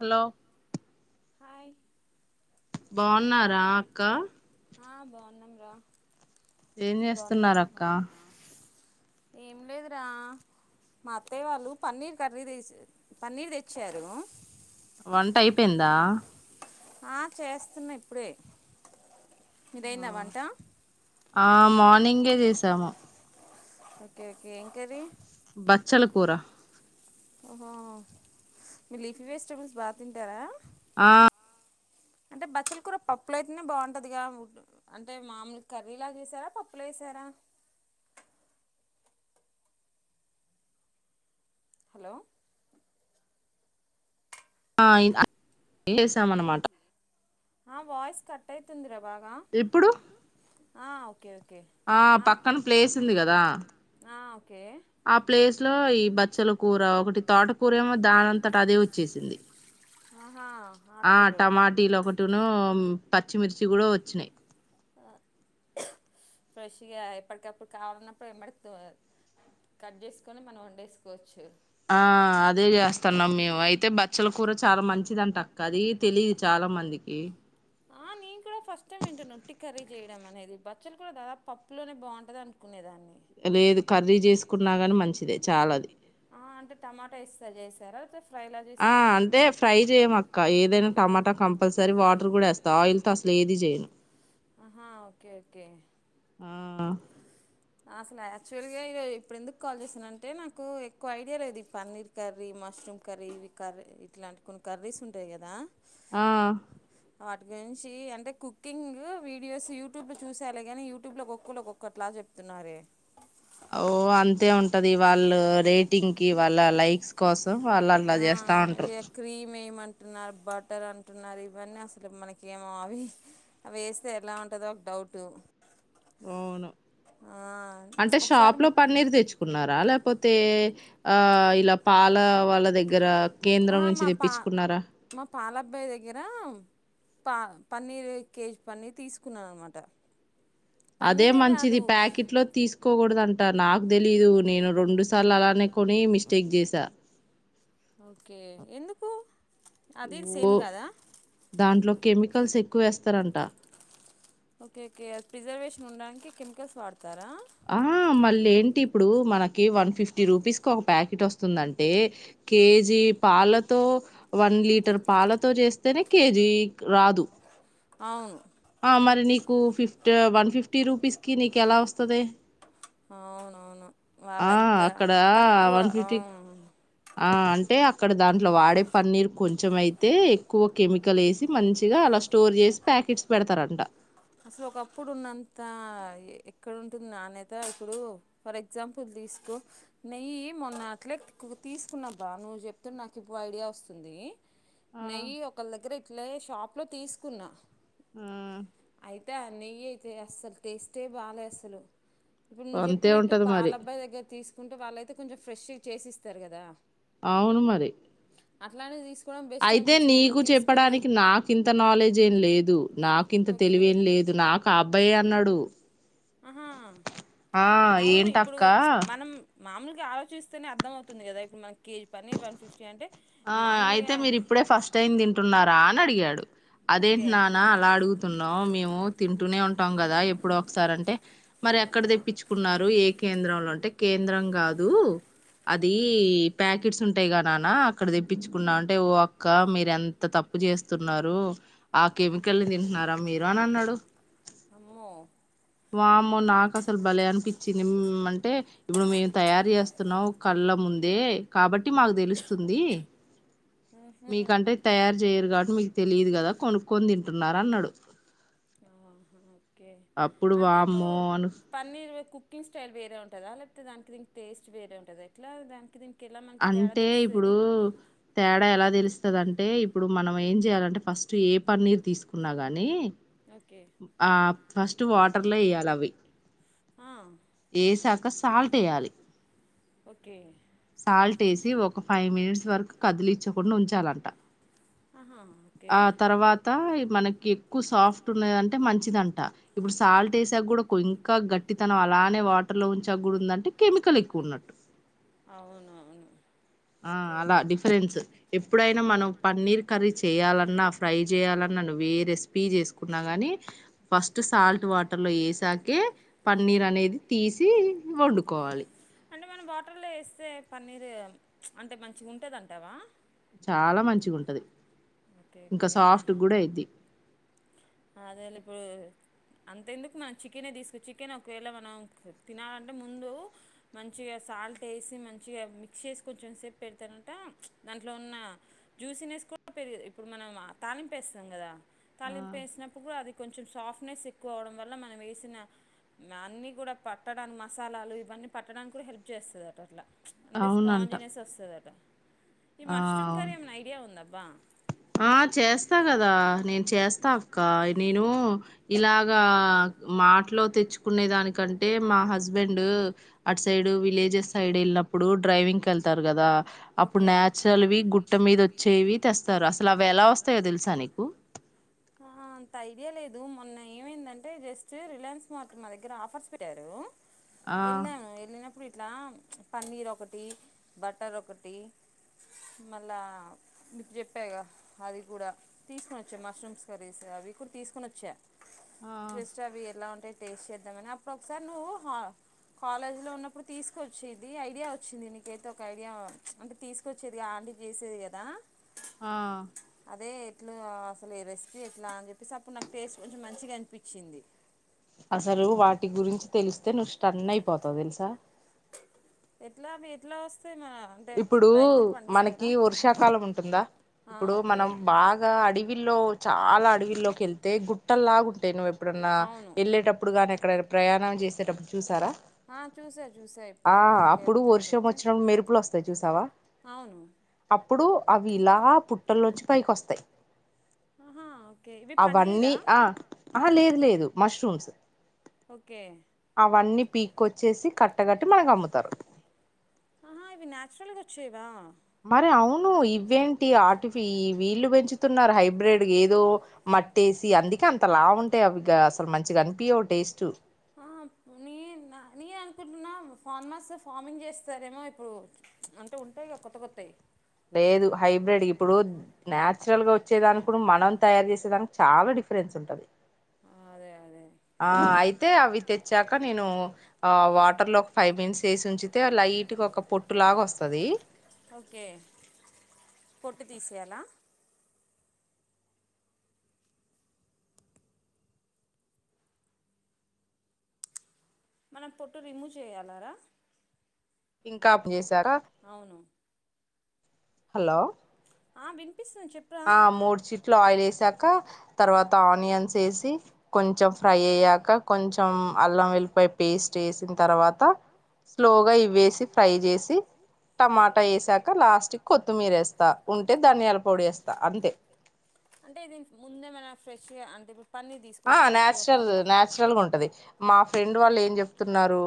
Hello hi బాగున్నారా అక్క ఆ బాగున్నాం రా బాగుంటున్నరక్క [inaudible] ఏం లేదురా మా అత్తయ్య వాళ్ళు పన్నీర్ కర్రీ తీస్ పన్నీర్ తెచ్చారు వంట అయిపోయిందా ఆ చేస్తున్నా ఇప్పుడే మీదైందా వంట ఆ మార్నింగే చేసాము ఓకే ఓకే ఏం కర్రీ బచ్చల కూర ఓహో మీరు లిఫీ వెజిటెబుల్స్ బాగా తింటారా ఆ అంటే బచ్చల కూర పప్పుల అయితేనే బాగుంటదిగా అంటే మామలు కర్రీలా చేసారా పప్పులో వేసారా హలో ఆ ఇ చేసాం అన్నమాట [inaudible] ఆ వాయిస్ కట్ అయితుందిరా బాగా ఆ ఓకే ఓకే ఒకే ఆ ఒకే ఆహా ఆకుకూరలు టున పచ్చిమిర్చి కూడా వచ్చినాయి ఫ్రెష్గా ఎప్పటికప్పుడు కావాలన్నప్పుడు ఎమ్మడి కట్ చేసుకొని మనం వండేసుకోవచ్చు ఆ అదే చేస్తున్నాం మేము అయితే బచ్చలు కూడా చాలా మంచిదింటే అక్క అది తెలిదు చాలా మందికి ఏ ఆ నీ కూడా ఫస్ట్ టైమ్ ఏంటో నొట్టి కర్రీ చేయడం అనేది బచ్చలు కూడా దాదాపు పప్పులోనే బాగుంటది అనుకునేదాన్ని అంటే టమాటా ఏసీ చేసారా ఫ్రై ల చేశారా [inaudible] పల్సరీ వాటర్ కూడా వేస్తా ఆయిల్తో అసలు ఏది చేయను ఆ అసలు యాక్చువల్గా ఈ ఇప్పుడు ఎందుకు కాల్ చేసానంటే నాకు ఎక్కువ ఐడియా లేదు ఈ పన్నీర్ కర్రీ మష్రూమ్ కర్రీ ఇవి కర్రీ ఇట్లాంటి కొన్ని కర్రీస్ ఉంటాయి కదా ఆ వాటి గురించి అంటే కుకింగ్ వీడియోస్ యూట్యూబ్ లో చూసాలె గాని యూట్యూబ్ లో ఒక్కోళ్ళు ఒక్కోటిలాగా చెప్తున్నారే ఉంటది వాళ్ళు రేటింగ్ కి వాళ్ళ లైక్స్ కోసం వాళ్ళు అలా చేస్తా ఉంటరు అంటున్నారు బటర్ అంటున్నారు ఇవన్నీ అసలు మనక ఏమో అవి అవి వేస్తే ఎలా ఉంటుందో ఒక డౌట్ అవును అంటే షాప్ లో పన్నీర్ తెచ్చుకున్నారా లేపో కపోతే ఆ ఇలా పాల వాళ్ళ దగ్గర ఆహా మా పా మా పాలబ్బాయి దగ్గర పా పన్నీర్ కేజీ పన్నీర్ తీసుకున్నానునమాట అదే మంచిది ప్యాకెట్ లో తీసుకోకూడదు అన్ నాకు తెలీదు నేను రెండు సార్లు అలానే కొనీ మిస్టేక్ చేసా ో దాంట్లో కెమికల్స్ ఎక్కువ వేస్తారంట ఉండడానికి కెమికల్స్ వాడతారా ఆ మళ్ళీ ఏంటి ఇప్పుడు మనకి వన్ ఫిఫ్టీ రూపీస్కి ఒక ప్యాకెట్ వస్తుందంటే కేజీ పాలతో వన్ లీటర్ పాలతో చేస్తేనే కేజీ రాదు అవును మరి నీకు ఫిఫ్ వన్ ఫిఫ్టీ రూపీస్కి నీకు ఎలా వస్తది అవునవును ఆ అక్కడ వన్ ఫిఫ్టీ ఆ అంటే అక్ అక్కడ దాంట్లో వాడే పన్నీర్ కొంచెం అయితే ఎక్కువ కెమికల్ వేసి మంచిగా అలా స్టోర్ చేసి ప్యాకెట్స్ పెడతారంట అసలు ఒకప్పుడు ఉన్నంత ఎక్కడుంటుంది నాణ్యత ఇప్పుడు ఫర్ ఎగ్జాంపుల్ తీసుకో నెయ్యి మొన్న అట్లే తీసుకున్నాబ్ బా నువ్వు చెప్తే నాకుప్పు ఐడియా వస్తుంది నెయ్యి ఒకళ దగ్గర ఇట్లే షాప్లో తీసుకున్నా అయితే నెయ్యి అయితే అస్సలు టేస్టే బాలే అసలు ఇప్పుడు నువ్వు చెప్పినట్టు పాల అబ్బాయి దగ్గర తీసుకున్ వాళ్ళయితే కొంచెం ఫ్రెష్ చేసిస్తారు కదా అట్లానే తీస్ అయితే నీకు చెప్పడానికి నాకు ఇంత నాలెడ్జ్ ఏం లేదు నాకింత తెలివేం లేదు నాకు ఆ అబ్బాయ అన్నాడు ఆ ఏంటక్క మామలుగా ఆలోచిస్తేనే అర్ధం అవుతుంది కదా ఇప్పుడు మన కేజీ పన్నీర్ వన్ ఫిఫ్ ఆ అయితే మీరిప్పుడే ఫస్ట్ టైం తింటున్నారా అని అడిగాడు అదేంటి నానా అలా అడుగుతున్నాం మేము తింటూనే ఉంటాం ఉంటాం కదా ఎప్పుడు ఒకసారి అంటే మరి ఎక్కడ తెప్పించుకున్నారు ఏ కేంద్రంలో అంటే కేంద్రం కాదు అది ప్యాక్ కిట్స్ ఉంటాయి గా నాన్న అక్కడ తెప్పించుకున్నా అంటే ఓ అక్క మీర ఎంత తప్పు చేస్తున్నారు ఆక్ కెమికల్ని తింటున్నారా మీరు అని అన్నాడు వామ్మో నాకు అసలు భలే అనిపిచ్చింది అంటే ఇప్పుడు మేము తయారు చేస్తున్నాం కళ్ళ ముందే కాబట్టి మాకు తెలుస్తుంది మీకంటే తయారు చేయరు కాబట్టి మీకు తెలిదు కదా కొనుక్కొని తింటున్నార అన్నాడు అప్ అంటే ఇప్పుడు పన్నీర్ కుకింగ్ స్టైల్ వేరే ఉంటందా లేకపోతే దానికి దీనికి టేస్ట్ వేరే ఉంటా ఇట్లా దానికి దీ అంటే ఇప్పుడు తేడా ఎలా తెలుస్తదాంటే ఇప్పుడు మనం ఏంచ్ చేయాలంటే ఫస్ట్ ట్ ఏ పన్నీర్ తీసుకున్నా కానీ ఆ ఫస్ట్ వాటర్లో వేయాలి అవి వేసాక సాల్ట్ వేయాలి సాల్ట్ వేసి ఒక ఫైవ్ మినిట్స్ వరకు కదిలిచ్చకుండా ఉంచాలంట ఆ తర్వాత తత మనకి ఎక్కువ సాఫ్ట్ ఉన్నదింటే మంచిదంట ఇప్పుడు సాల్ట్ వేసా కూడా ఇంకా గట్టితనం అలానే వాటర్ లో ఉంచాక కూడా ఉందంటే కెమికల్ ఎక్కువ ఉన్నట్టు ఆ అలా డిఫరెన్స్ ఎప్పుడైనా మనం పన్నీర్ కర్రీ చేయాలన్నా ఫ్రై చేయాలన్నా నువ్వు ఏ రెసిపీ చేసుకున్నా కాని ఫస్ట్ సాల్ట్ వాటర్లో వేసాకే పన్నీర్ అనేది తీసి వండుకోవాలి అంటే మనం వాటర్లో వేస్తే పన్నీరే యెయ్యలి ప్లీ అంటే మంచి ఉంటుందంటావా చాలా మంచిగు ఉంటది ఓకే కే అదలి ఇప్పు అంతెందుకు మనం చికెనే తీసుకో చికెన్ ఒకవేళ మనం తినాలంటే ముందు మంచిగా సాల్ట్ వేసి మంచిగా మిక్స్ చేసి కొంచెం సేపు పెడతానంట ప్లీ దాంట్లో ఉన్న జ్యూసినేసి పెరి ఇప్పుడు మనం తాలింపేస్తాం కదా తాలింపు వేసినప్పుడు కూడా అది కొంచెం సాఫ్ట్నెస్ ఎక్కువ అవ్వడం వల్ల మనం వేసిన అన్నీ కూడా పట్టడానికి మసాలాలు ఇవన్నీ పట్టడానికి కూడా హెల్ప్ చేస్తుందిట అట్లా అంటే స్పాంజి నెస్ అనేసి వస్తాదట ఈ మష్రూమ్ కర్రి ఏమన్నానా ఐడియా ఉందబ్బా ఆ చేస్తా కదా నేన్ చేస్తా కా నేను ఇలాగా మార్ట్లో తెచ్చుకునే దానికంటే మా హస్బెండు అటు సైడు విలేజెస్ సైడ్ వెళ్ళినప్పుడు ఇప్పుడు డ్రైవింగ్ కేలుతారు కదా అప్పుడు నచురల్వి గుట్ట మీద వచ్చేవి తెస్త స్తారు అసలు అవి ఎలా వస్తాయో తెలుసా నీకు ఎమ్ లేదు మొన్న ఏమైందంటె జస్ట్ రియాలియన్స్ మార్ట్ మా దగ్గర ఆఫర్స్ పెట్టారు ఎల్లాను ఎల్లప్పుడు ఇట్లా పన్నీర్ ఒక ఒకటి బట్టర్ ఒకటి మళ్ళా మీకు చెప్పా గా అది కూడా తీసుకొని వచ్చా మష్రూమ్స్ కర్రీస్ అవి కూడా తీసుకొని వచ్చా జస్ట్ అవి ఎలా ఉంటే టేస్ట్ చేద్దామని అప్పుడు ఒకసారి నువ్వు హ కాలేజ్ లో ఉన్నప్పుడు తీసుకొచ్చే ఇది ఐడియా వ వచ్చింది మీకైతే ఒక ఐడియా అంటే తీసుకొచ్చేది ఆంటీ చేసేది కదా ఆ అదే ఎట్లా ఆ అసలు ఈ రెసిపీ ఎట్లా అని చెప్పేసి అప్పుడు నాకు టేస్ట్ కొంచెం మంచిగా అనిపించింది అసలు వాటి గురించి తెలిస్తే నువ్వు స్టన్ అయిపోతావు తెలుసా ఎట్లా మీ ఎట్లా వస్తా ఇప్పుడు మనకి వర్షాకాలం ఉంటుందా ఇప్పుడు మనం బాగా అడవిల్లో చాల అలా అడవిల్లోకేళ్తే గుట్ పుట్టల్లాగుంటాయి నువ్వు ఎప్పుడన్నా వెళ్ళేటప్పుడు గాని ఎక్కడనా ప్రయాణం చేసేటప్పుడు చూసారా ఆ అప్పుడు వర్షం వచ్చినప్పుడు మెరుపులు వస్త చూసావా అప్పుడు అవి ఇలా పుట్టలోంచి పైకి వస్తాయి అవన్నీ ఆ లేదు లేదు మష్రూమ్స్ అవన్నీ పీకోచ్చేసి కట్టగట్టి మనకు అమ్ముతారు హస్టల్ గోచ్చేవా మరి అవును ఇవేంటి ఆటిఫ ఈ వీళ్లు పెంచుతున్నారు హైబ్రిడ్ ఏదో మట్టేసి అందుకే అంత అంత లావుంటాయి అవి గా మంచి కనిపియ్యవ్ డేస్ కు. [inaudible] ఫార్మసీ ఫార్మింగ్ చస్తే లేదు హైబ్రిడ్ ఇప్పుడు నాచురల్ గా వచ్చేదానికి మనం తయారు చేసేదానికి చాలా డిఫరెన్స్ ఉంటది. ఆ అయితే అవి తెచ్చాక నేను ఆ వాటర్ లో ఫైవ్ మినిట్స్ వేసి ఉంచుతే అది లైట్ గా ఒక పొట్టు లాగా వస్తది. పొట్టు తీసేయాలా. మనం పొట్టు రిమూవ్ చేయాలా రా. ఇంకా అప్ చేసి అవును. హలో. ఆబిన్. ఆ మూడు చిట్టి ఆయిల్ వేశాక తర్వాత ఆనియన్స్ ఏసీ కొంచెం ఫ్రై అయ్యాక కొంచెం అల్లం వేళ్లి ఉల్లిపాయ్ పేస్ట్. ఉంటే ధనియాల పొడి వేస్తం అంటే దీని ముందే మన ఫ్రెష్ గా అంటే ఇప్పుడు. ఆ నేచురల్ నాచురల్ గా ఉంటది మా ఫ్రెండ్ వాళ్ళు ఏం చెప్తున్నారు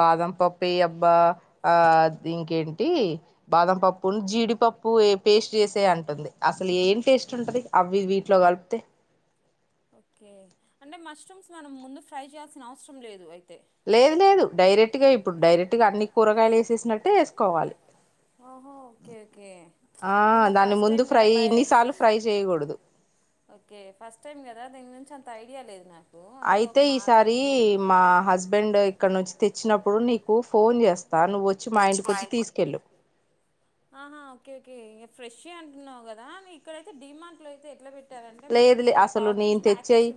బాదంపప్పు ఎయ్యబ్బా ఆ ఇంకేంటి బాదంపప్పు ఉను జీడిపప్పు ఎ పేస్ట్. చేసే అంటుంది అసలు ఏం టేస్ట్ ఉంటది అవి వీటిలో కలిపితే. ఓకే అంటే మాస్టర్స్ మనం ముందు ఫ్రై చేయాల్సిన అవసరం లేదు. అయితే. అత్ ఒహా ఓకే ఓకే. ఫస్ట్ టైం కదా భయ ఓకే ఫస్ట్ టైం కదా దిన్ అంతా ఐడియా లేదు నాకు. అయితే ఈసారి మా హస్బెండ్ ఇక్కడి నుంచి తెచ్చినప్పుడు నీకు ఫోన్ చేస్తా నువ్వు వచ్చి మా ఇంటికి వచ్చి తీసుకెళ్ళు. ఫ్రెష్ ఎ అంటున్నావ్ గద ని ఇక్కడైతే డీమార్ట్ లో అయితే ఎట్లా పెడ్ లేదు లే అసలు నేను తెచ్చేయి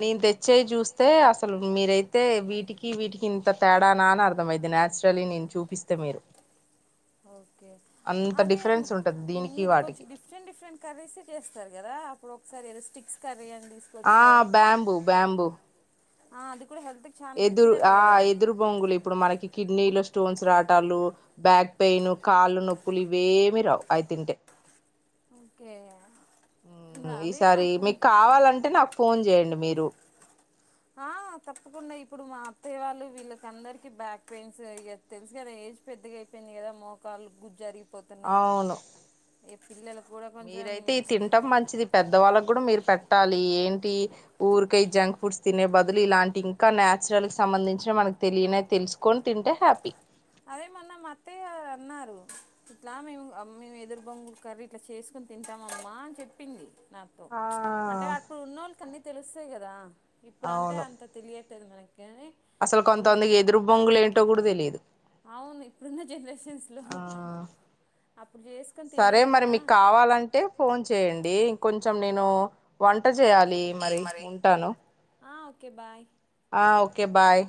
నేను తెచ్చేవిచూస్తే అసలు మీరైతే వి వీటికి వీటికింత. తేడానా అని అర్థం అయితది నేచురల్ వి నేను చూపిస్తే మీరు అంత డిఫరెన్స్ ఉంటది. దీనికి వాటికి. ఒక్కొక్కసారి ఏదో స్టిక్స్ కర్రీ అని. ఆ బ్యాంబు బ్యాంబు. ఆ అది. ఎదురు ఆ ఎదురు బొంగులు ఇప్పుడు మనకి కిడ్నీలో స్టో. స్టోన్స్ రావటాలు బ్యాక్ పెయిన్ కాళ్ల నొప్పులు ఇవేమీ రావు అయి తింటే. ఓకే య. ఉమ్ ఈసారి మీకు కావాలంటే నాకు ఫోన్ చేయండి మీరు. ఆ తప్పకుండా ఇప్పుడు మా అత్తయ్య వాళ్ళు వీళ్ళందరికీ బ్యాక్ పెయింట్స్ ఇక తెలుసు కదా ఏజ్ పెద్దగా అయిపోయింది కదా మోకాలు గుజ్జు అరిగి. పోతున్నాయి ఇప్ మీరైతే ఈ తింటం మంచిది పెద్దవాళ్ళకి కూడా మీరు పెట్టాలి ఏంటి ఊరు కే ఈ జంక్ ఫుడ్స్ తినే బదులు ఇలాంటియి ఇంకా నేచురల్ కు సంబంధించినవి మనకు తెలియనివి తెలుసుకొని తింటే హ్యాపీ. రు ఇట్లా మేం ఆ మేము ఎదురు బొంగు కర్రీ ఇట్లా చేసుకోని తింటామమ్మా అని చెప్పింది నాతో ప్చ్అంటే అప్పుడు ఉన్నోళ్ళు కన్ని తెలుస్సాయి కదా ఇప్పుడు అంటే అంత తెలియ ట్లేదు మనకి అసలు కొంతమందికి వెదురు బొంగులు ఏంటో కూడా తెలియదు, ఆ సరే మరి మీకు కావాలంటే ఫోన్ చేయండి ఇంకొంచెం. నేను వంట చేయాలి మరి ఉంటాను కే బాయ్ ఆ ఓకే బాయ్